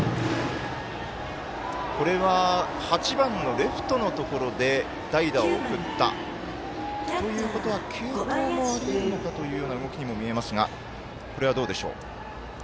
これは８番のレフトのところで代打を送ったということは継投はどうなるのかという動きにも見えますがこれはどうでしょう。